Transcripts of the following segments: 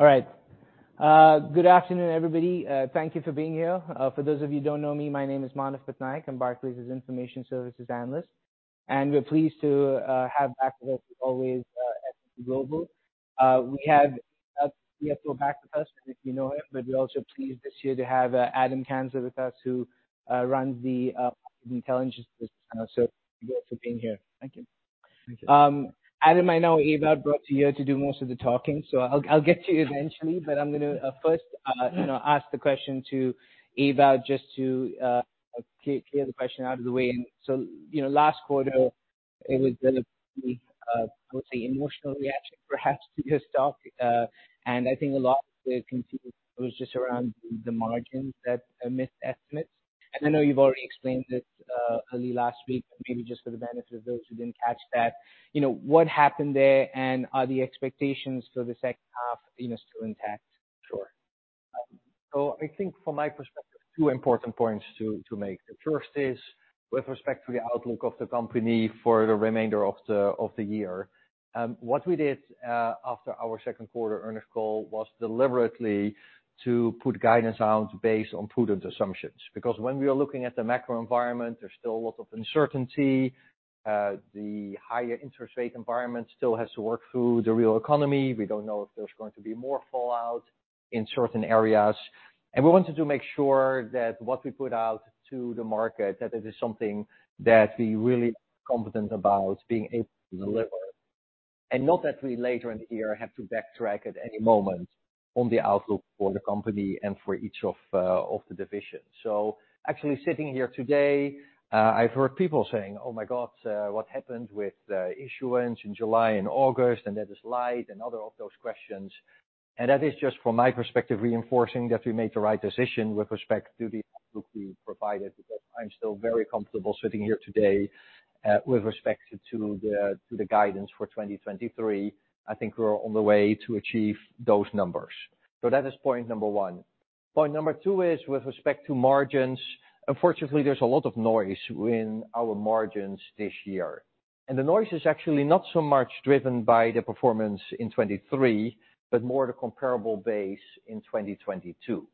All right. Good afternoon, everybody. Thank you for being here. For those of you who don't know me, my name is Manav Patnaik. I'm Barclays' business and information services analyst, and we're pleased to have back with us always at S&P Global. We have back with us, if you know him, but we're also pleased this year to have Adam Kansler with us, who runs the intelligence. So thank you for being here. Thank you. Adam, I know Ewout brought you here to do most of the talking, so I'll get to you eventually, but I'm gonna first, you know, ask the question to Ewout just to clear the question out of the way. So, you know, last quarter, it was an, I would say, emotional reaction, perhaps, to your stock. And I think a lot of it was just around the margins that missed estimates. And I know you've already explained this early last week, but maybe just for the benefit of those who didn't catch that, you know, what happened there, and are the expectations for the second half, you know, still intact? Sure. So I think from my perspective, two important points to make. The first is with respect to the outlook of the company for the remainder of the year. What we did after our second quarter earnings call was deliberately to put guidance out based on prudent assumptions. Because when we are looking at the macro environment, there's still a lot of uncertainty. The higher interest rate environment still has to work through the real economy. We don't know if there's going to be more fallout in certain areas. We wanted to make sure that what we put out to the market, that it is something that we really confident about being able to deliver, and not that we, later in the year, have to backtrack at any moment on the outlook for the company and for each of, of the divisions. So actually sitting here today, I've heard people saying, "Oh, my God, what happened with, issuance in July and August, and that is light," and other of those questions. And that is just from my perspective, reinforcing that we made the right decision with respect to the outlook we provided, because I'm still very comfortable sitting here today, with respect to, to the, to the guidance for 2023. I think we're on the way to achieve those numbers. So that is point number one. Point number two is with respect to margins. Unfortunately, there's a lot of noise in our margins this year, and the noise is actually not so much driven by the performance in 2023, but more the comparable base in 2022.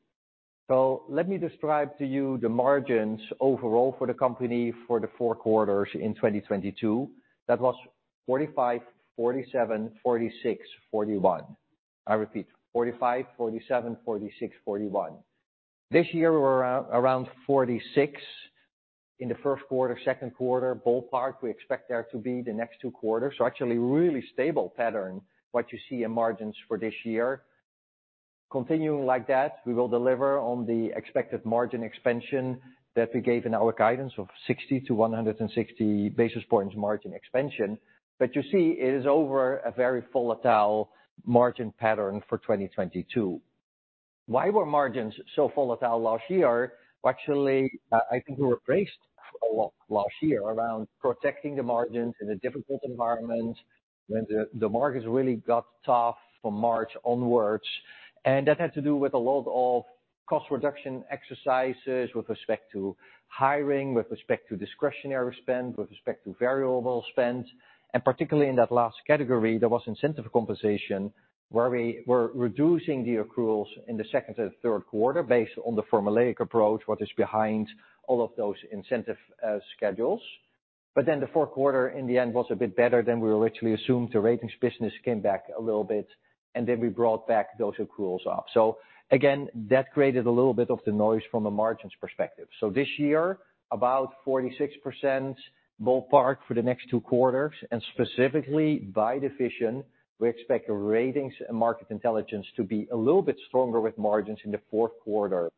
So let me describe to you the margins overall for the company for the four quarters in 2022. That was 45, 47, 46, 41. I repeat, 45, 47, 46, 41. This year, we're around, around 46 in the first quarter, second quarter. Ballpark, we expect there to be the next two quarters. So actually, really stable pattern, what you see in margins for this year. Continuing like that, we will deliver on the expected margin expansion that we gave in our guidance of 60-160 basis points margin expansion. But you see, it is over a very volatile margin pattern for 2022. Why were margins so volatile last year? Actually, I think we were braced a lot last year around protecting the margins in a difficult environment when the Markit really got tough from March onwards. And that had to do with a lot of cost reduction exercises with respect to hiring, with respect to discretionary spend, with respect to variable spend. And particularly in that last category, there was incentive compensation, where we were reducing the accruals in the second and third quarter based on the formulaic approach, what is behind all of those incentive schedules. But then the fourth quarter, in the end, was a bit better than we originally assumed. The Ratings business came back a little bit, and then we brought back those accruals up. So again, that created a little bit of the noise from a margins perspective. So this year, about 46% ballpark for the next two quarters, and specifically by division, we expect the Ratings and Market Intelligence to be a little bit stronger with margins in the fourth quarter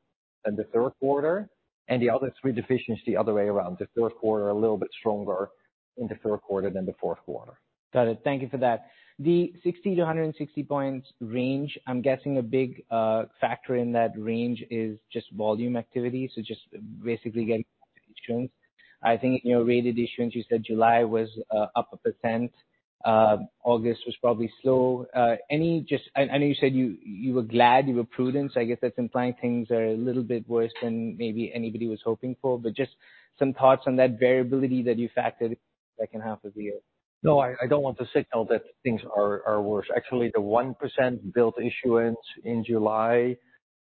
than the third quarter, and the other three divisions the other way around. The third quarter a little bit stronger in the third quarter than the fourth quarter. Got it. Thank you for that. The 60-160 points range, I'm guessing a big factor in that range is just volume activity, so just basically getting insurance. I think, you know, rated issuance, you said July was up 1%, August was probably slow. Any just... I know you said you were glad, you were prudent, so I guess that's implying things are a little bit worse than maybe anybody was hoping for. But just some thoughts on that variability that you factored second half of the year. No, I don't want to signal that things are worse. Actually, the 1% billed issuance in July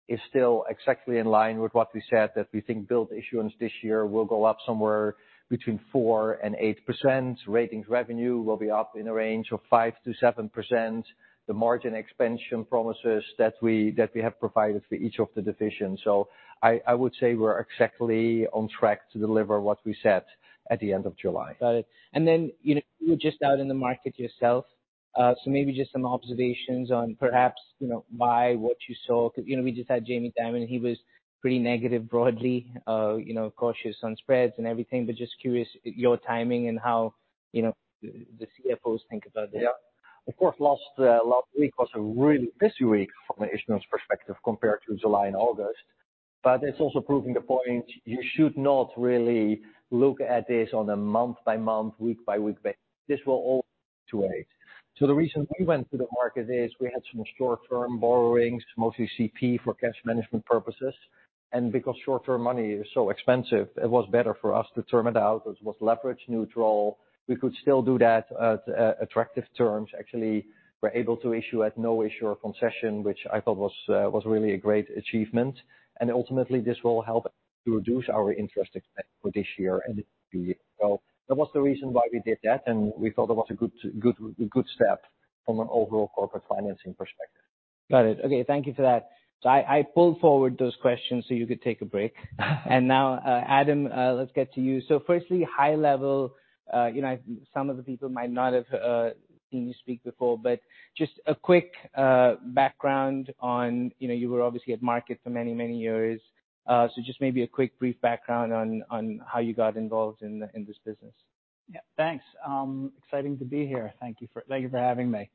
is still exactly in line with what we said, that we think billed issuance this year will go up somewhere between 4%-8%. Ratings revenue will be up in the range of 5%-7%. The margin expansion promises that we have provided for each of the divisions. So I would say we're exactly on track to deliver what we said at the end of July. Got it. And then, you know, you were just out in the market yourself. So maybe just some observations on perhaps, you know, why, what you saw. You know, we just had Jamie Dimon, he was pretty negative, broadly, you know, cautious on spreads and everything, but just curious, your timing and how, you know, the, the CFOs think about this. Yeah. Of course, last week was a really busy week from an issuance perspective, compared to July and August. But it's also proving the point, you should not really look at this on a month-by-month, week-by-week basis. This will all wait. So the reason we went to the market is we had some short-term borrowings, mostly CP for cash management purposes... and because short-term money is so expensive, it was better for us to term it out. It was leverage neutral. We could still do that at attractive terms. Actually, we're able to issue at no issuer concession, which I thought was really a great achievement. And ultimately, this will help to reduce our interest expense for this year and the year. That was the reason why we did that, and we thought it was a good step from an overall corporate financing perspective. Got it. Okay, thank you for that. So I pulled forward those questions so you could take a break. And now, Adam, let's get to you. So firstly, high level, you know, some of the people might not have seen you speak before, but just a quick background on, you know, you were obviously at Markit for many, many years. So just maybe a quick brief background on how you got involved in this business. Yeah. Thanks. Exciting to be here. Thank you for having me.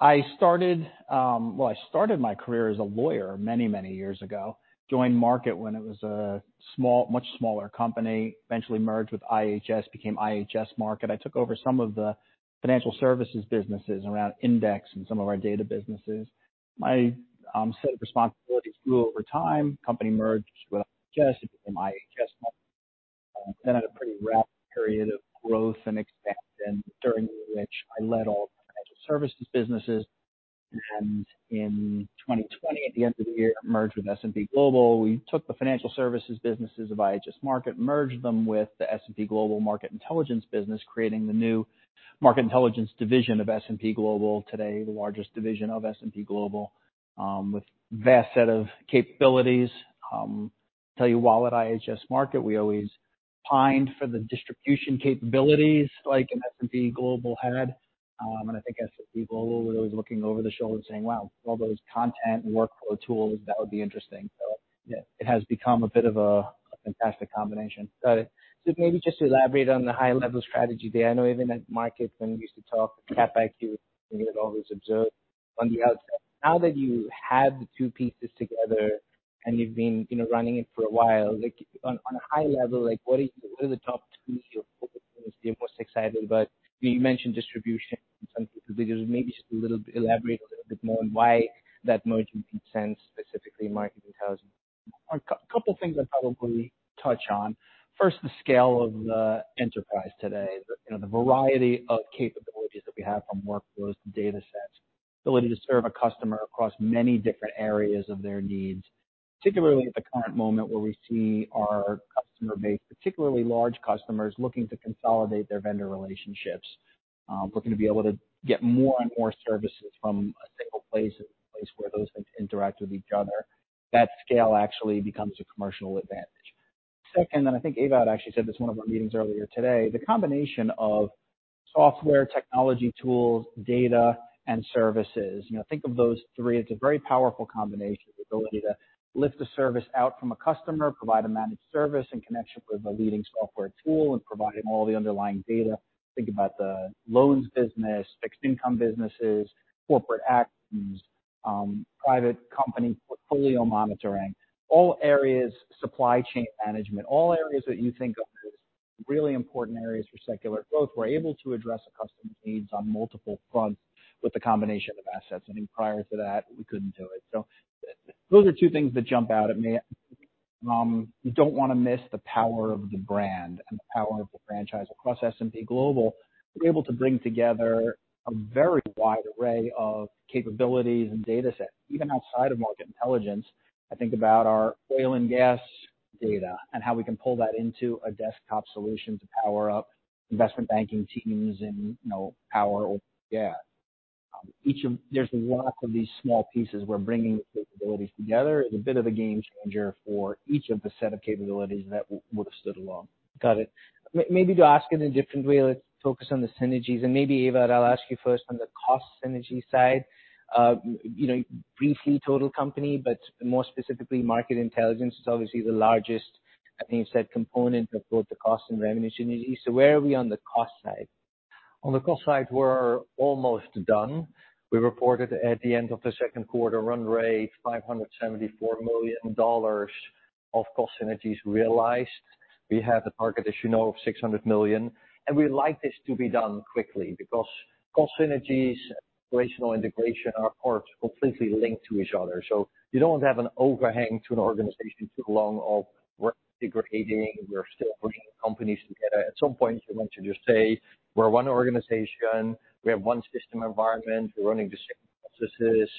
I started my career as a lawyer many, many years ago. Joined Markit when it was a small, much smaller company, eventually merged with IHS, became IHS Markit. I took over some of the financial services businesses around index and some of our data businesses. My set of responsibilities grew over time. Company merged with IHS, became IHS Markit, then had a pretty rapid period of growth and expansion, during which I led all the financial services businesses. And in 2020, at the end of the year, it merged with S&P Global. We took the financial services businesses of IHS Markit, merged them with the S&P Global Market Intelligence business, creating the new Market Intelligence division of S&P Global. Today, the largest division of S&P Global, with vast set of capabilities. Tell you, while at IHS Markit, we always pined for the distribution capabilities, like in S&P Global had. And I think S&P Global was always looking over the shoulder saying, "Wow, all those content and workflow tools, that would be interesting." So yeah, it has become a bit of a fantastic combination. Got it. So maybe just elaborate on the high-level strategy there. I know even at Markit, when we used to talk, Cap IQ, you had always observed on the outside. Now that you have the two pieces together and you've been, you know, running it for a while, like on, on a high level, like, what is - what are the top two things you're most excited about? You mentioned distribution in some of the videos. Maybe just a little elaborate a little bit more on why that merger made sense, specifically Market Intelligence. A couple things I'd probably touch on. First, the scale of the enterprise today. You know, the variety of capabilities that we have, from workflows to data sets, ability to serve a customer across many different areas of their needs, particularly at the current moment, where we see our customer base, particularly large customers, looking to consolidate their vendor relationships. Looking to be able to get more and more services from a single place, a place where those things interact with each other. That scale actually becomes a commercial advantage. Second, and I think Ewout actually said this in one of our meetings earlier today, the combination of software, technology, tools, data, and services. You know, think of those three. It's a very powerful combination. The ability to lift a service out from a customer, provide a managed service in connection with a leading software tool, and providing all the underlying data. Think about the loans business, fixed income businesses, corporate actions, private company portfolio monitoring, all areas, supply chain management. All areas that you think of as really important areas for secular growth, we're able to address a customer's needs on multiple fronts with the combination of assets. I mean, prior to that, we couldn't do it. So those are two things that jump out at me. You don't want to miss the power of the brand and the power of the franchise across S&P Global. We're able to bring together a very wide array of capabilities and datasets, even outside of Market Intelligence. I think about our oil and gas data and how we can pull that into a desktop solution to power up investment banking teams and, you know, Power & Gas. Each of... There's lots of these small pieces. We're bringing the capabilities together. It's a bit of a game changer for each of the set of capabilities that would have stood alone. Got it. Maybe to ask it a different way, let's focus on the synergies. And maybe, Ewout, I'll ask you first. On the cost synergy side, you know, briefly, total company, but more specifically, Market Intelligence is obviously the largest, I think, you said, component of both the cost and revenue synergies. So where are we on the cost side? On the cost side, we're almost done. We reported at the end of the second quarter, run rate, $574 million of cost synergies realized. We have a target, as you know, of $600 million, and we like this to be done quickly because cost synergies, operational integration, are completely linked to each other. So you don't want to have an overhang to an organization too long of we're integrating, we're still pushing the companies together. At some point, you want to just say, "We're one organization. We have one system environment. We're running the same processes.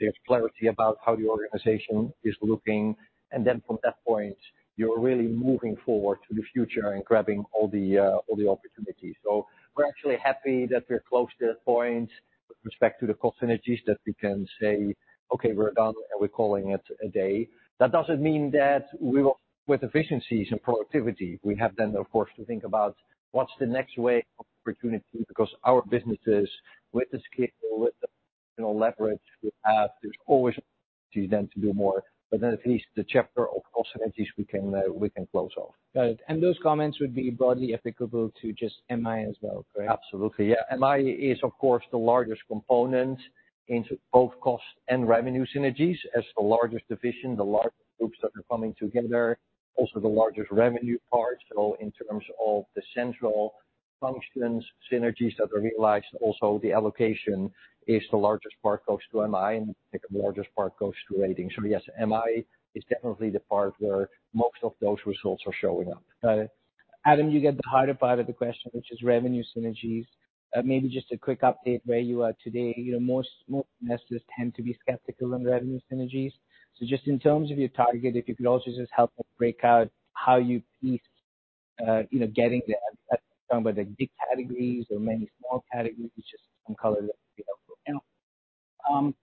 There's clarity about how the organization is looking." And then from that point, you're really moving forward to the future and grabbing all the, all the opportunities. So we're actually happy that we're close to that point with respect to the cost synergies, that we can say, "Okay, we're done, and we're calling it a day." That doesn't mean that we will... With efficiencies and productivity, we have then, of course, to think about what's the next way of opportunity, because our businesses, with the scale, with the leverage we have, there's always opportunity then to do more. But then at least the chapter of cost synergies we can, we can close off. Got it. Those comments would be broadly applicable to just MI as well, correct? Absolutely, yeah. MI is, of course, the largest component into both cost and revenue synergies. As the largest division, the largest groups that are coming together, also the largest revenue part. So in terms of the central functions, synergies that are realized. Also, the allocation is the largest part goes to MI, and the largest part goes to Ratings. So yes, MI is definitely the part where most of those results are showing up. Adam, you get the harder part of the question, which is revenue synergies. Maybe just a quick update where you are today. You know, most investors tend to be skeptical on revenue synergies. So just in terms of your target, if you could also just help me break out how you piece, you know, getting some of the big categories or many small categories, just some color there would be helpful.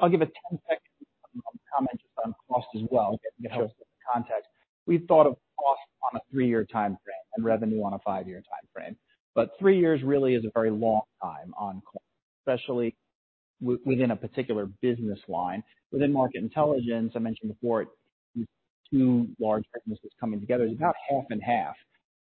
I'll give a 10-second comment just on cost as well, to help with the context. We thought of cost on a 3-year timeframe and revenue on a 5-year timeframe. But 3 years really is a very long time on cost, especially within a particular business line. Within Market Intelligence, I mentioned before, two large businesses coming together, it's about half and half.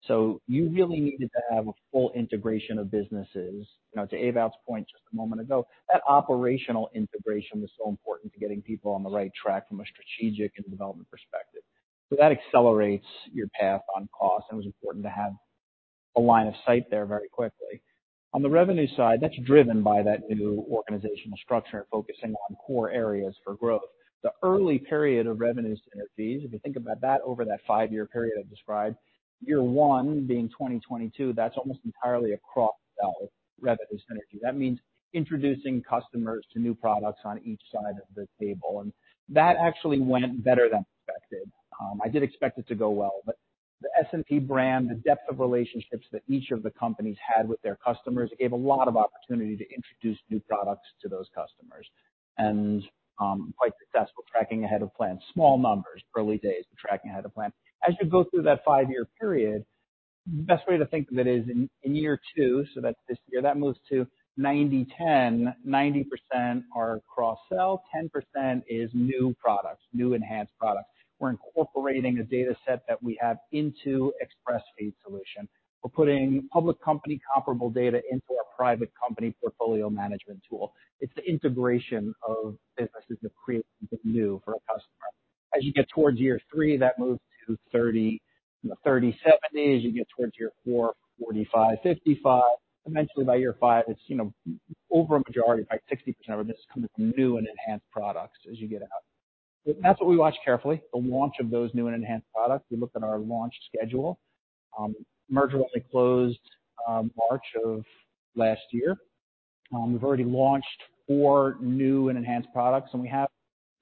So you really needed to have a full integration of businesses. Now, to Ewout's point, just a moment ago, that operational integration was so important to getting people on the right track from a strategic and development perspective. So that accelerates your path on cost, and it was important to have a line of sight there very quickly. On the revenue side, that's driven by that new organizational structure and focusing on core areas for growth. The early period of revenue synergies, if you think about that, over that five-year period I described, year one being 2022, that's almost entirely a cross-sell revenue synergy. That means introducing customers to new products on each side of the table, and that actually went better than expected. I did expect it to go well, but the S&P brand, the depth of relationships that each of the companies had with their customers, gave a lot of opportunity to introduce new products to those customers. And, quite successful, tracking ahead of plan. Small numbers, early days, but tracking ahead of plan. As you go through that five-year period, best way to think of it is in year two, so that's this year, that moves to 90-10. 90% are cross-sell, 10% is new products, new enhanced products. We're incorporating a data set that we have into Xpressfeed solution. We're putting public company comparable data into our private company portfolio management tool. It's the integration of businesses that creates something new for a customer. As you get towards year 3, that moves to 30, you know, 30-70s. You get towards year 4, 45-55. Eventually, by year 5, it's, you know, over a majority, like 60% of this is coming from new and enhanced products as you get out. That's what we watch carefully, the launch of those new and enhanced products. We looked at our launch schedule. Merger only closed, March of last year. We've already launched 4 new and enhanced products, and we have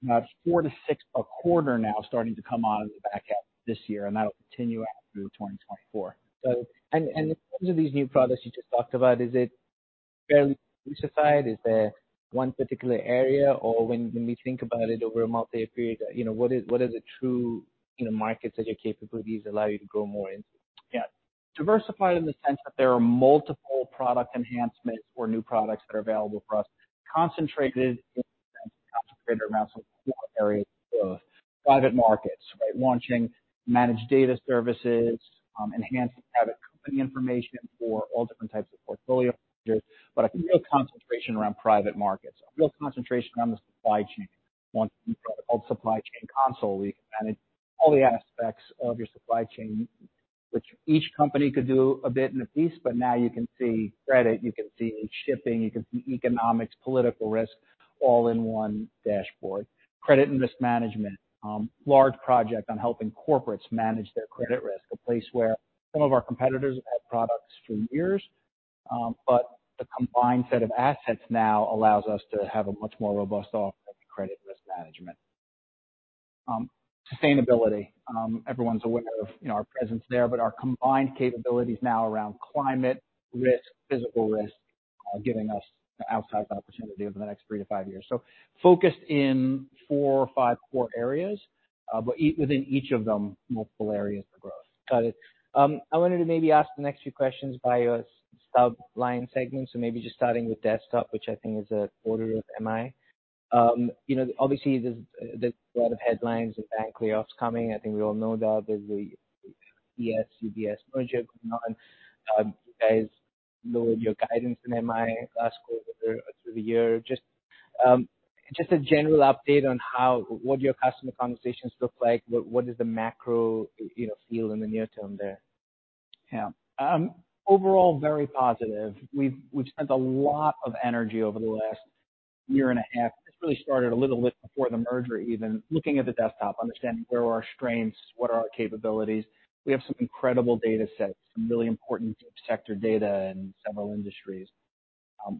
about 4-6 a quarter now starting to come out of the back half this year, and that'll continue out through 2024. So- And in terms of these new products you just talked about, is it fair to say? Is there one particular area, or when we think about it over a multi-year period, you know, what is the true, you know, markets that your capabilities allow you to grow more into? Yeah. Diversified in the sense that there are multiple product enhancements or new products that are available for us, concentrated in concentrated amounts of core areas of growth. Private markets, right? Launching managed data services, enhancing private company information for all different types of portfolio managers. But a real concentration around private markets, a real concentration around the supply chain. One product called Supply Chain Console, where you can manage all the aspects of your supply chain, which each company could do a bit and a piece, but now you can see credit, you can see shipping, you can see economics, political risk, all in one dashboard. Credit and risk management. Large project on helping corporates manage their credit risk, a place where some of our competitors have had products for years, but the combined set of assets now allows us to have a much more robust offer in credit risk management. Sustainability. Everyone's aware of, you know, our presence there, but our combined capabilities now around climate risk, physical risk, are giving us an outsized opportunity over the next three to five years. So focused in four or five core areas, but within each of them, multiple areas for growth. Got it. I wanted to maybe ask the next few questions by your sub-line segment. So maybe just starting with desktop, which I think is a quarter of MI. You know, obviously, there's a lot of headlines of bank layoffs coming. I think we all know that. There's the CS UBS merger going on. You guys lowered your guidance in MI last quarter through the year. Just a general update on how—what your customer conversations look like, what is the macro, you know, feel in the near term there? Yeah. Overall, very positive. We've spent a lot of energy over the last year and a half. This really started a little bit before the merger, even looking at the desktop, understanding where are our strengths, what are our capabilities? We have some incredible data sets, some really important deep sector data in several industries.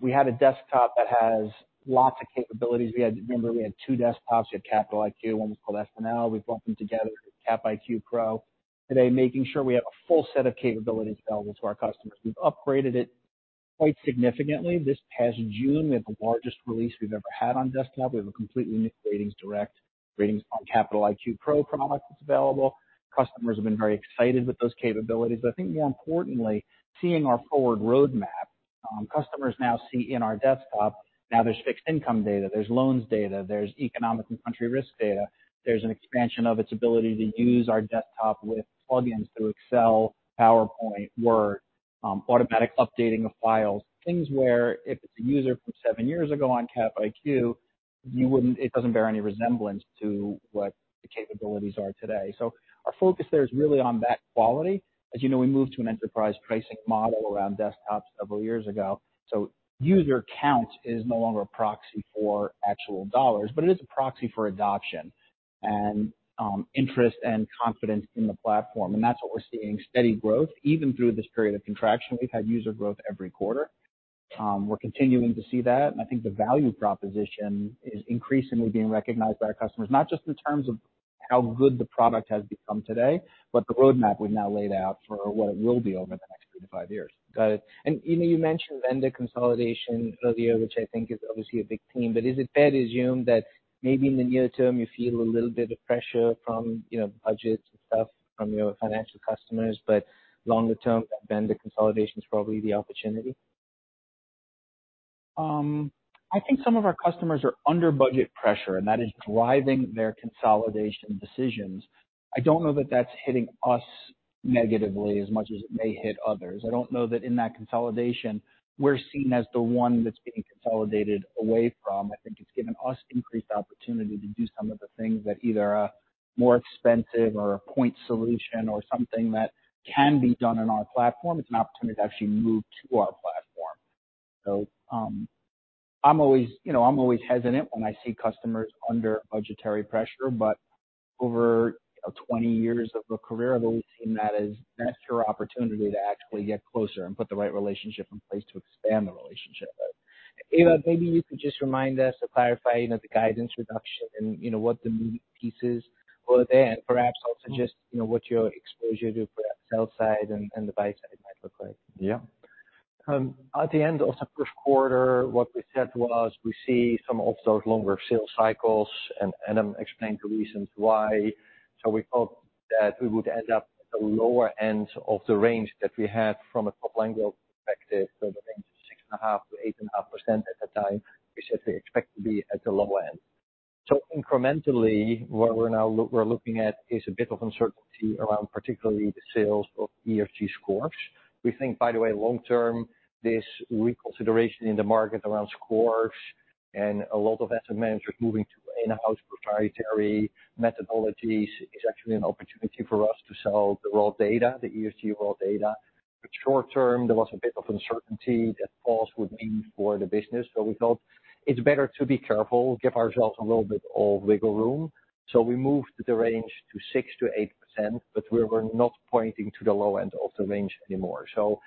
We had a desktop that has lots of capabilities. We had—remember, we had two desktops. We had Capital IQ, one was called SNL. We've bumped them together, Capital IQ Pro. Today, making sure we have a full set of capabilities available to our customers. We've upgraded it quite significantly. This past June, we had the largest release we've ever had on desktop. We have a completely new RatingsDirect ratings on Capital IQ Pro product that's available. Customers have been very excited with those capabilities. But I think more importantly, seeing our forward roadmap, customers now see in our desktop, now there's fixed income data, there's loans data, there's economic and country risk data. There's an expansion of its ability to use our desktop with plugins to Excel, PowerPoint, Word, automatic updating of files. Things where if it's a user from seven years ago on Cap IQ you wouldn't. It doesn't bear any resemblance to what the capabilities are today. So our focus there is really on that quality. As you know, we moved to an enterprise pricing model around desktops several years ago, so user count is no longer a proxy for actual dollars, but it is a proxy for adoption and, interest and confidence in the platform. And that's what we're seeing, steady growth. Even through this period of contraction, we've had user growth every quarter. We're continuing to see that, and I think the value proposition is increasingly being recognized by our customers, not just in terms of how good the product has become today, but the roadmap we've now laid out for what it will be over the next three to five years. Got it. And, you know, you mentioned vendor consolidation earlier, which I think is obviously a big theme. But is it fair to assume that maybe in the near term, you feel a little bit of pressure from, you know, budgets and stuff from your financial customers, but longer term, that vendor consolidation is probably the opportunity? I think some of our customers are under budget pressure, and that is driving their consolidation decisions. I don't know that that's hitting us negatively as much as it may hit others. I don't know that in that consolidation, we're seen as the one that's being consolidated away from. I think it's given us increased opportunity to do some of the things that either are more expensive or a point solution, or something that can be done on our platform. It's an opportunity to actually move to our platform. So, I'm always, you know, I'm always hesitant when I see customers under budgetary pressure, but over, you know, 20 years of a career, I've always seen that as that's your opportunity to actually get closer and put the right relationship in place to expand the relationship. Ewout, maybe you could just remind us to clarify, you know, the guidance reduction and, you know, what the moving pieces were there. Perhaps also just, you know, what your exposure to perhaps the sell side and the buy side might look like. Yeah. At the end of the first quarter, what we said was, we see some of those longer sales cycles, and Adam explained the reasons why. So we thought that we would end up at the lower end of the range that we had from a top line growth perspective. So the range of 6.5%-8.5% at the time, we said we expect to be at the low end. So incrementally, what we're now looking at is a bit of uncertainty around particularly the sales of ESG scores. We think, by the way, long term, this reconsideration in the market around scores and a lot of asset managers moving to in-house proprietary methodologies is actually an opportunity for us to sell the raw data, the ESG raw data. But short term, there was a bit of uncertainty that pause would mean for the business. So we thought it's better to be careful, give ourselves a little bit of wiggle room. So we moved the range to 6%-8%, but we were not pointing to the low end of the range anymore. So,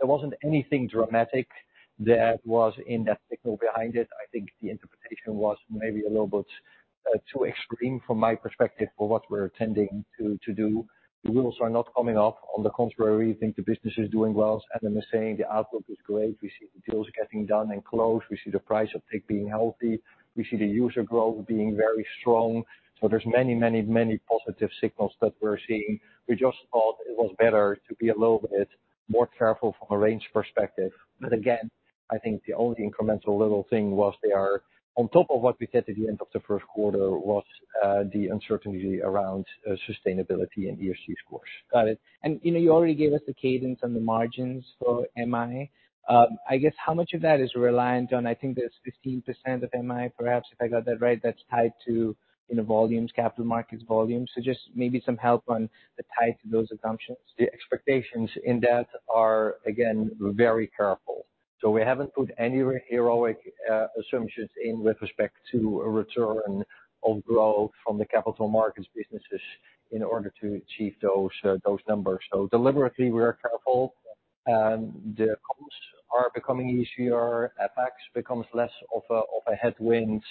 there wasn't anything dramatic that was in that signal behind it. I think the interpretation was maybe a little bit, too extreme from my perspective, for what we're intending to, to do. The wheels are not coming off. On the contrary, we think the business is doing well. As Adam was saying, the outlook is great. We see the deals getting done and closed. We see the price of tech being healthy. We see the user growth being very strong. So there's many, many, many positive signals that we're seeing. We just thought it was better to be a little bit more careful from a range perspective. But again, I think the only incremental little thing was there, on top of what we said at the end of the first quarter, was, the uncertainty around, sustainability and ESG scores. Got it. And, you know, you already gave us the cadence on the margins for MI. I guess how much of that is reliant on, I think there's 15% of MI, perhaps, if I got that right, that's tied to, you know, volumes, capital markets volumes. So just maybe some help on the tie to those assumptions. The expectations in that are, again, very careful. So we haven't put any heroic assumptions in with respect to a return of growth from the capital markets businesses in order to achieve those numbers. So deliberately, we are careful, and the comps are becoming easier. FX becomes less of a headwind.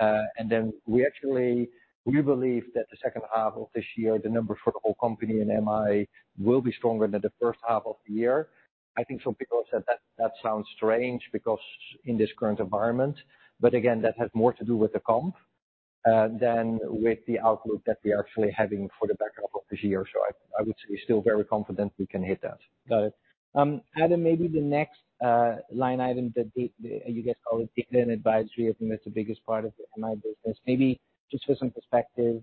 And then we actually believe that the second half of this year, the numbers for the whole company and MI will be stronger than the first half of the year. I think some people have said that that sounds strange because in this current environment, but again, that has more to do with the comp than with the outlook that we are actually having for the back half of this year. So I would say we're still very confident we can hit that. Got it. Adam, maybe the next line item that you guys call it data and advisory. I think that's the biggest part of the MI business. Maybe just for some perspective,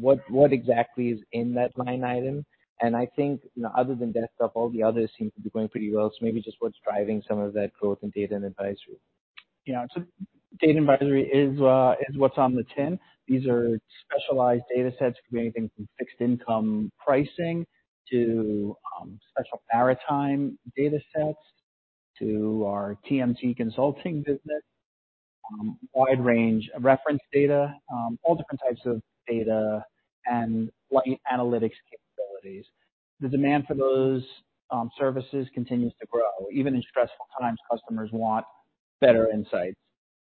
what exactly is in that line item? And I think, you know, other than desktop, all the others seem to be going pretty well. So maybe just what's driving some of that growth in data and advisory. Yeah. So data and advisory is what's on the tin. These are specialized datasets. It could be anything from fixed income pricing to special maritime datasets, to our TMT consulting business, wide range of reference data, all different types of data and analytics capabilities. The demand for those services continues to grow. Even in stressful times, customers want better insights.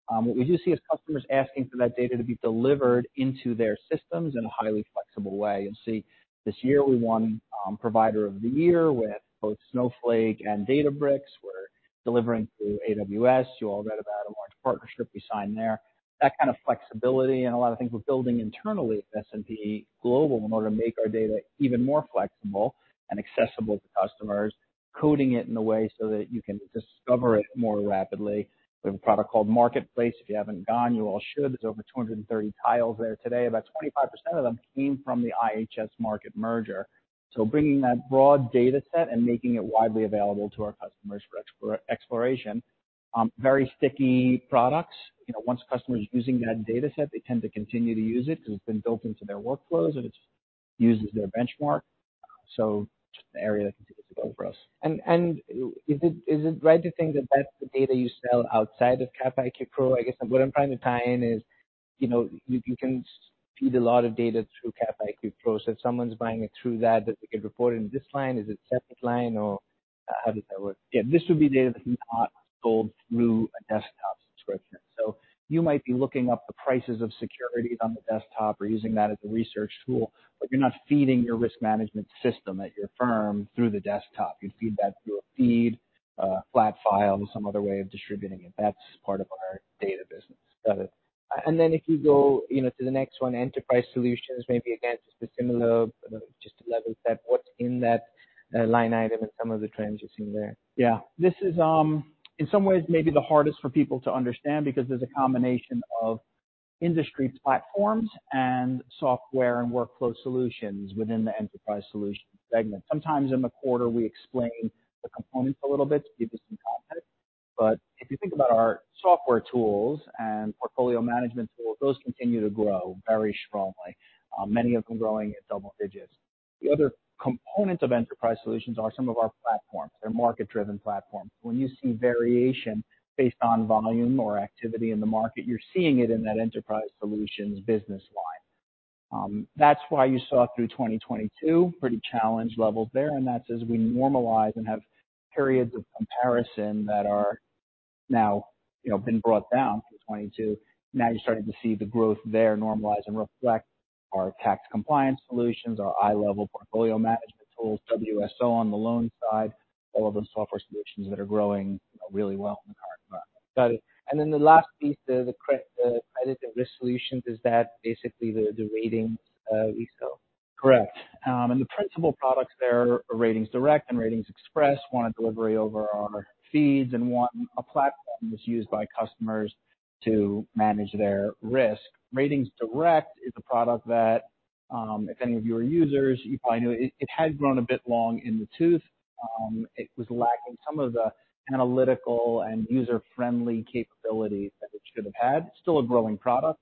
What we do see is customers asking for that data to be delivered into their systems in a highly flexible way. You'll see, this year we won Provider of the Year with both Snowflake and Databricks. We're delivering through AWS. You all read about a large partnership we signed there. That kind of flexibility, and a lot of things we're building internally at S&P Global in order to make our data even more flexible and accessible to customers, coding it in a way so that you can discover it more rapidly. We have a product called Marketplace. If you haven't gone, you all should. There's over 230 tiles there today. About 25% of them came from the IHS Markit merger. So bringing that broad data set and making it widely available to our customers for exploration, very sticky products. You know, once a customer is using that data set, they tend to continue to use it because it's been built into their workflows, and it uses their benchmark, so just an area that continues to grow for us. And is it right to think that that's the data you sell outside of Capital IQ Pro? I guess what I'm trying to tie in is, you know, you can feed a lot of data through Capital IQ Pro. So if someone's buying it through that, that they could report it in this line? Is it separate line, or how does that work? Yeah, this would be data that's not sold through a desktop subscription. So you might be looking up the prices of securities on the desktop or using that as a research tool, but you're not feeding your risk management system at your firm through the desktop. You feed that through a feed, a flat file, and some other way of distributing it. That's part of our data business. Got it. And then if you go, you know, to the next one, enterprise solutions, maybe again, just a similar, just a level set. What's in that, line item and some of the trends you're seeing there? Yeah. This is, in some ways, maybe the hardest for people to understand, because there's a combination of industry platforms and software and workflow solutions within the enterprise solution segment. Sometimes in the quarter, we explain the components a little bit to give you some context. But if you think about our software tools and portfolio management tools, those continue to grow very strongly, many of them growing at double digits. The other components of enterprise solutions are some of our platforms. They're market-driven platforms. When you see variation based on volume or activity in the market, you're seeing it in that enterprise solutions business line. That's why you saw through 2022, pretty challenged levels there, and that's as we normalize and have periods of comparison that are now, you know, been brought down from 2022. Now you're starting to see the growth there normalize and reflect our tax compliance solutions, our iLEVEL portfolio management tools, WSO on the loan side, all of those software solutions that are growing really well in the current environment. Got it. Then the last piece, the credit and risk solutions, is that basically the Ratings we sell? Correct. And the principal products there are RatingsDirect and RatingsXpress, one, a delivery over our feeds, and one, a platform that's used by customers to manage their risk. RatingsDirect is a product that, if any of you are users, you probably know it. It had grown a bit long in the tooth. It was lacking some of the analytical and user-friendly capabilities that it should have had. Still a growing product,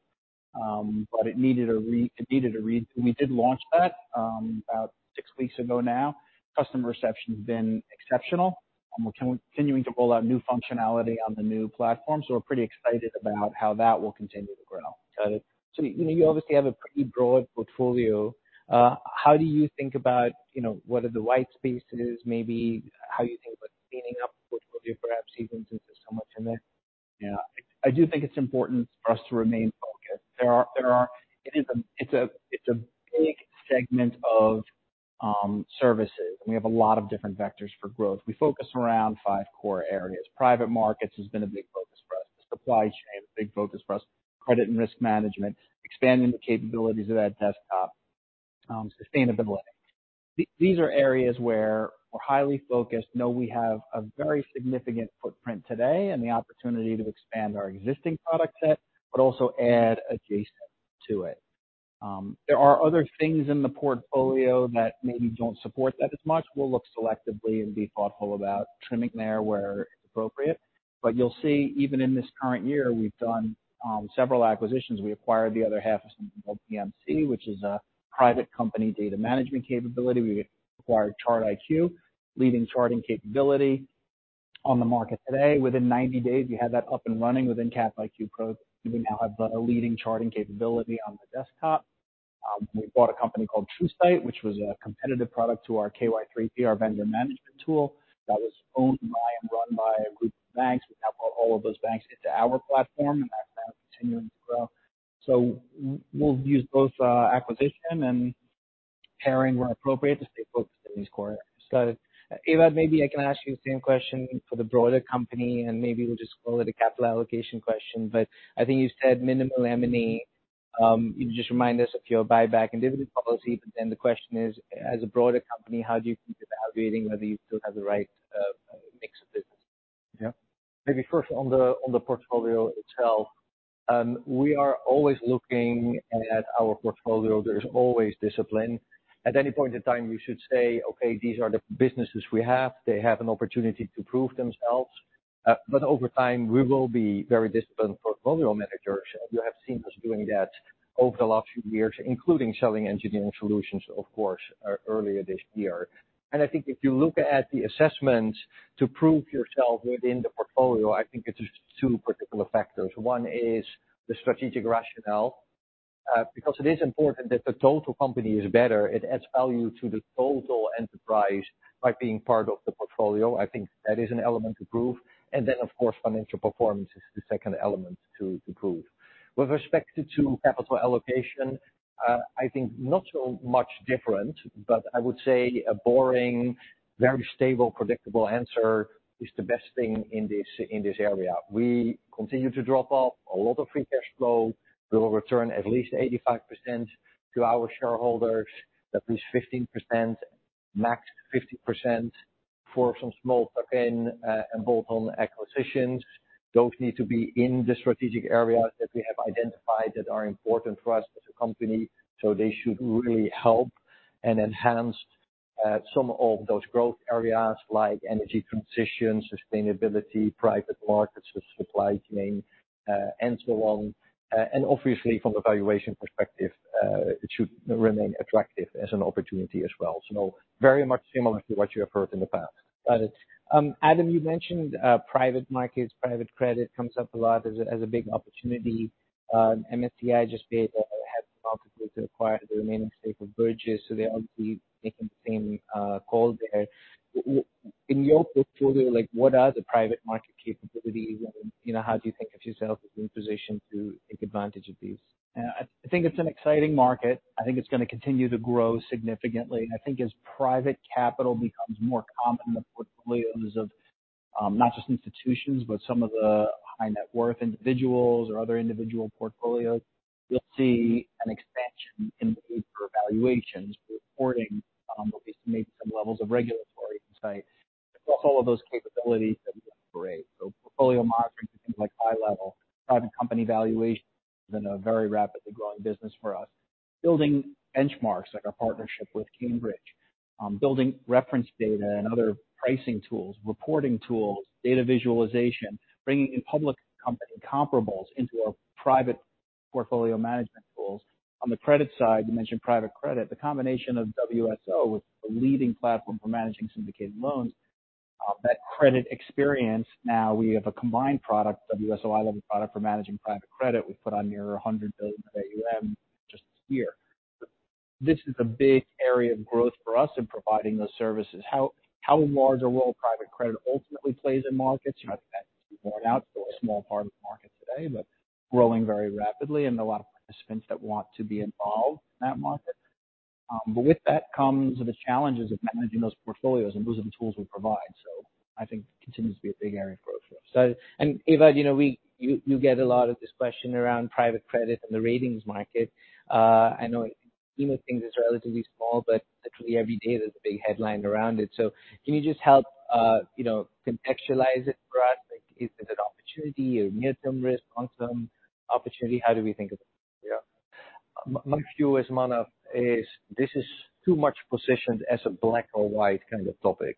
but it needed a relaunch. We did launch that about six weeks ago now. Customer reception's been exceptional, and we're continuing to roll out new functionality on the new platform, so we're pretty excited about how that will continue to grow. Got it. So, you know, you obviously have a pretty broad portfolio. How do you think about, you know, what are the white spaces? Maybe how you think about cleaning up the portfolio, perhaps, even since there's so much in there? Yeah. I do think it's important for us to remain focused. It's a big segment of services, and we have a lot of different vectors for growth. We focus around five core areas. Private markets has been a big focus for us. Supply chain, a big focus for us. Credit and risk management, expanding the capabilities of that desktop, sustainability. These are areas where we're highly focused, know we have a very significant footprint today, and the opportunity to expand our existing product set, but also add adjacent to it. There are other things in the portfolio that maybe don't support that as much. We'll look selectively and be thoughtful about trimming there where appropriate. But you'll see, even in this current year, we've done several acquisitions. We acquired the other half of something called PMC, which is a private company data management capability. We acquired ChartIQ, leading charting capability on the market today. Within 90 days, we had that up and running within Cap IQ Pro. We now have the leading charting capability on the desktop. We bought a company called TruSight, which was a competitive product to our KY3P, our vendor management tool, that was owned by and run by a group of banks. We now brought all of those banks into our platform, and that's now continuing to grow. So we'll use both, acquisition and pairing where appropriate, to stay focused in these core areas. Got it. Ewout, maybe I can ask you the same question for the broader company, and maybe we'll just call it a capital allocation question, but I think you said minimal M&A. Can you just remind us of your buyback and dividend policy? But then the question is, as a broader company, how do you keep evaluating whether you still have the right, mix of business? Yeah. Maybe first on the portfolio itself. We are always looking at our portfolio. There's always discipline. At any point in time, we should say, "Okay, these are the businesses we have. They have an opportunity to prove themselves." But over time, we will be very disciplined portfolio managers. You have seen us doing that over the last few years, including selling engineering solutions, of course, earlier this year. And I think if you look at the assessment to prove yourself within the portfolio, I think it's just two particular factors. One is the strategic rationale, because it is important that the total company is better. It adds value to the total enterprise by being part of the portfolio. I think that is an element to prove. And then, of course, financial performance is the second element to prove. With respect to capital allocation, I think not so much different, but I would say a boring, very stable, predictable answer is the best thing in this area. We continue to drop off a lot of free cash flow. We will return at least 85% to our shareholders, at least 15%, max 50% for some small tuck-in and bolt-on acquisitions. Those need to be in the strategic areas that we have identified that are important for us as a company. So they should really help and enhance some of those growth areas like energy transition, sustainability, private markets with supply chain, and so on. And obviously from a valuation perspective, it should remain attractive as an opportunity as well. So very much similar to what you have heard in the past. Got it. Adam, you mentioned private markets. Private credit comes up a lot as a big opportunity. MSCI just made a move to acquire the remaining stake of Burgiss, so they're obviously making the same call there. In your portfolio, like, what are the private market capabilities? And, you know, how do you think of yourself as in position to take advantage of these? I think it's an exciting market. I think it's going to continue to grow significantly. And I think as private capital becomes more common in the portfolios of, not just institutions, but some of the high net worth individuals or other individual portfolios, you'll see an expansion in the need for evaluations, reporting, at least to meet some levels of regulatory insight. So all of those capabilities that we operate, so portfolio monitoring, things like high level, private company valuation, been a very rapidly growing business for us. Building benchmarks, like our partnership with Cambridge. Building reference data and other pricing tools, reporting tools, data visualization, bringing in public company comparables into our private portfolio management tools. On the credit side, you mentioned private credit. The combination of WSO with the leading platform for managing syndicated loans, that credit experience, now we have a combined product, WSO iLEVEL product, for managing private credit. We've put on nearly $100 billion of AUM just this year. This is a big area of growth for us in providing those services. How large a role private credit ultimately plays in markets? You know, I think that's more an outlier, so a small part of the market today, but growing very rapidly and a lot of participants that want to be involved in that market. But with that comes the challenges of managing those portfolios, and those are the tools we provide. So I think continues to be a big area of growth for us. So, Ewout, you know, you get a lot of this question around private credit and the Ratings market. I know even though it's relatively small, but literally every day there's a big headline around it. So can you just help, you know, contextualize it for us? Like, is it an opportunity or near-term risk or some opportunity? How do we think of it? Yeah. My view is, Manav, is this is too much positioned as a black or white kind of topic.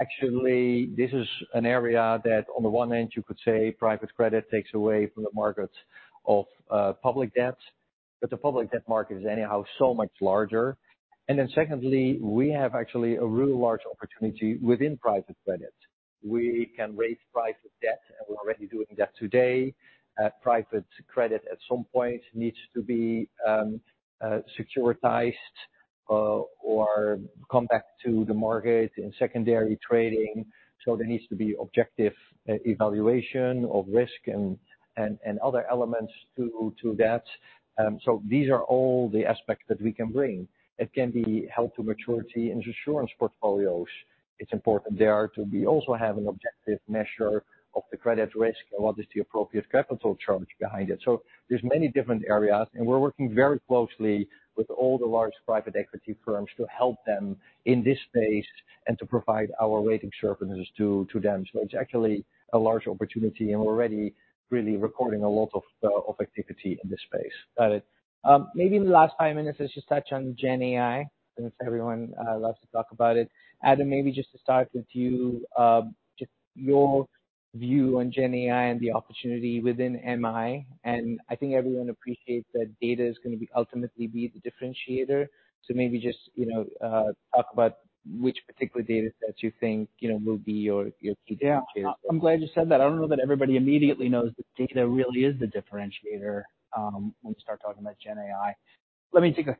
Actually, this is an area that on the one hand, you could say private credit takes away from the market of, public debt, but the public debt market is anyhow so much larger. And then secondly, we have actually a really large opportunity within private credit. We can raise private debt, and we're already doing that today. Private credit at some point needs to be securitized, or come back to the market in secondary trading, so there needs to be objective evaluation of risk and other elements to that. So these are all the aspects that we can bring. It can be held to maturity in insurance portfolios. It's important there to be also have an objective measure of the credit risk and what is the appropriate capital charge behind it. So there's many different areas, and we're working very closely with all the large private equity firms to help them in this space and to provide our rating services to, to them. So it's actually a large opportunity, and we're already really recording a lot of, of activity in this space. Got it. Maybe in the last five minutes, let's just touch on GenAI, since everyone loves to talk about it. Adam, maybe just to start with you, just your view on GenAI and the opportunity within MI. I think everyone appreciates that data is going to be ultimately the differentiator. So maybe just, you know, talk about which particular data sets you think, you know, will be your, your key differentiator. Yeah. I'm glad you said that. I don't know that everybody immediately knows that data really is the differentiator, when we start talking about Gen AI. Let me take a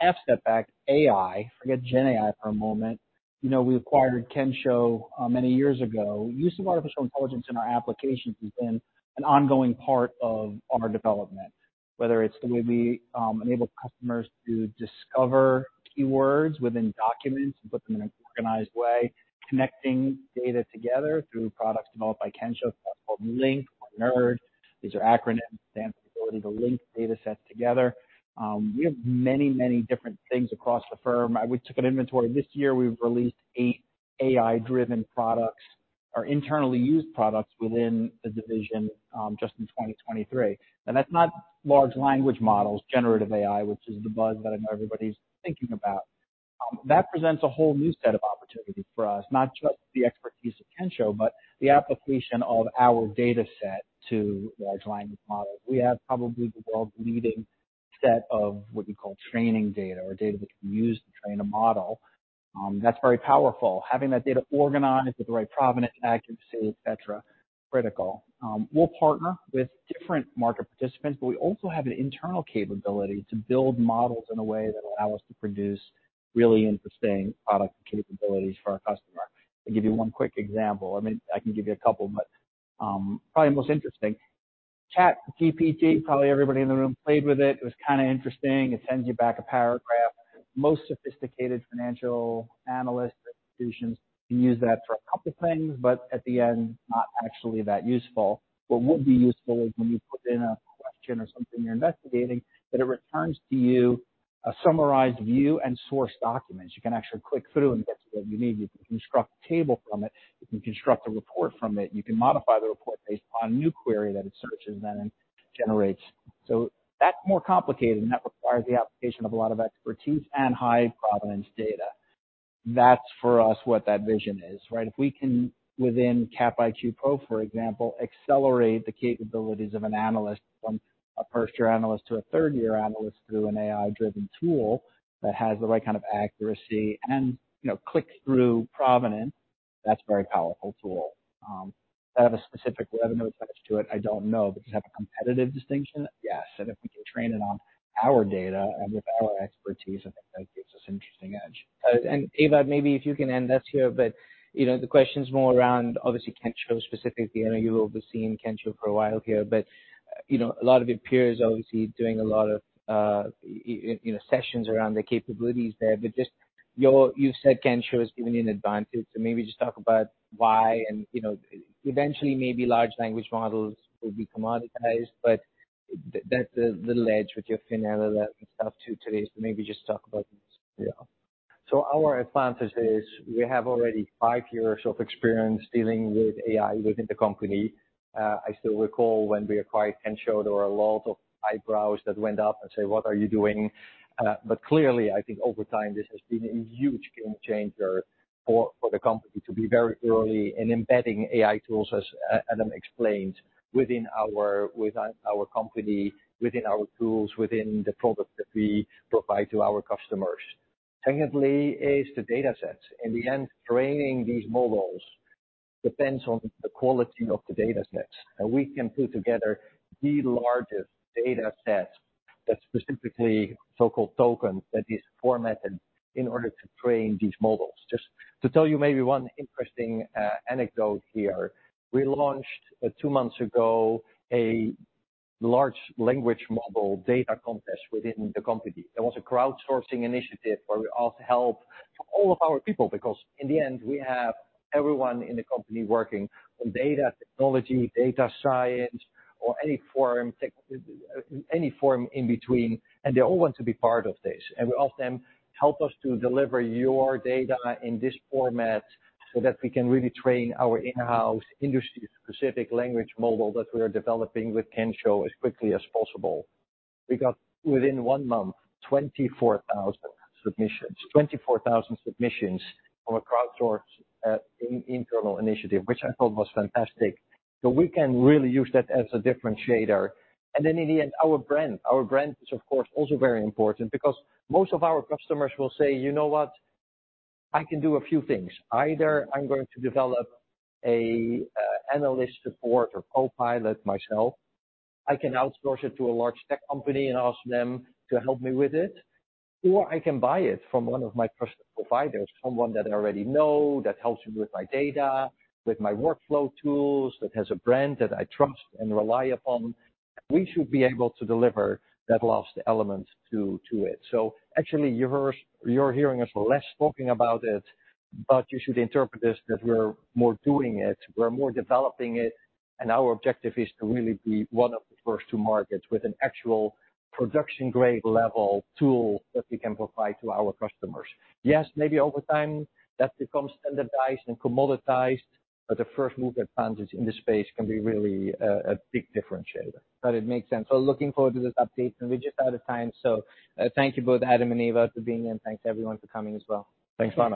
half step back. AI, forget Gen AI for a moment. You know, we acquired Kensho many years ago. Use of artificial intelligence in our applications has been an ongoing part of our development, whether it's the way we enable customers to discover keywords within documents and put them in an organized way, connecting data together through products developed by Kensho, called Link or NERD. These are acronyms, the ability to link data sets together. We have many, many different things across the firm. We took an inventory this year. We've released eight AI-driven products or internally used products within the division, just in 2023. And that's not large language models, generative AI, which is the buzz that I know everybody's thinking about. That presents a whole new set of opportunities for us, not just the expertise of Kensho, but the application of our data set to large language models. We have probably the world's leading set of what we call training data or data that can be used to train a model. That's very powerful. Having that data organized with the right provenance, accuracy, et cetera, critical. We'll partner with different market participants, but we also have an internal capability to build models in a way that allow us to produce really interesting product capabilities for our customer. To give you one quick example, I mean, I can give you a couple, but, probably the most interesting, ChatGPT, probably everybody in the room played with it. It was kind of interesting. It sends you back a paragraph. Most sophisticated financial analysts at institutions can use that for a couple of things, but at the end, not actually that useful. What would be useful is when you put in a question or something you're investigating, that it returns to you a summarized view and source documents. You can actually click through and get to what you need. You can construct a table from it. You can construct a report from it. You can modify the report based on new query that it searches and then generates. So that's more complicated, and that requires the application of a lot of expertise and high provenance data.... That's for us, what that vision is, right? If we can, within Capital IQ Pro, for example, accelerate the capabilities of an analyst from a first-year analyst to a third-year analyst through an AI-driven tool that has the right kind of accuracy and, you know, click-through provenance, that's a very powerful tool. Does that have a specific revenue attached to it? I don't know. But does it have a competitive distinction? Yes. And if we can train it on our data and with our expertise, I think that gives us an interesting edge. And Ewout, maybe if you can end us here, but, you know, the question's more around obviously Kensho specifically. I know you've overseen Kensho for a while here, but, you know, a lot of your peers obviously doing a lot of, you know, sessions around the capabilities there. But just your-- you've said Kensho has given you an advantage, so maybe just talk about why, and, you know, eventually, maybe large language models will be commoditized, but that's the little edge with your financial analysis and stuff, too, today. So maybe just talk about this. Yeah. So our advantage is we have already five years of experience dealing with AI within the company. I still recall when we acquired Kensho, there were a lot of eyebrows that went up and say, "What are you doing?" but clearly, I think over time, this has been a huge game changer for, for the company to be very early in embedding AI tools, as Adam explained, within our, within our company, within our tools, within the product that we provide to our customers. Secondly, is the data sets. In the end, training these models depends on the quality of the data sets, and we can put together the largest data sets that's specifically so-called tokens, that is formatted in order to train these models. Just to tell you maybe one interesting anecdote here. We launched two months ago a large language model data contest within the company. There was a crowdsourcing initiative where we asked help from all of our people, because in the end, we have everyone in the company working on data technology, data science, or any form any form in between, and they all want to be part of this. And we ask them, "Help us to deliver your data in this format so that we can really train our in-house industry-specific language model that we are developing with Kensho as quickly as possible." We got, within one month, 24,000 submissions. 24,000 submissions from a crowdsource internal initiative, which I thought was fantastic. So we can really use that as a differentiator. And then, in the end, our brand. Our brand is, of course, also very important because most of our customers will say, "You know what? I can do a few things. Either I'm going to develop a analyst support or copilot myself, I can outsource it to a large tech company and ask them to help me with it, or I can buy it from one of my trusted providers, someone that I already know, that helps me with my data, with my workflow tools, that has a brand that I trust and rely upon." We should be able to deliver that last element to it. So actually, you're hearing us less talking about it, but you should interpret this that we're more doing it, we're more developing it, and our objective is to really be one of the first to market with an actual production-grade level tool that we can provide to our customers. Yes, maybe over time, that becomes standardized and commoditized, but the first-mover advantage in this space can be really a big differentiator. It makes sense. Looking forward to this update, and we're just out of time. Thank you both, Adam and Ewout, for being here, and thanks, everyone, for coming as well. Thanks a lot.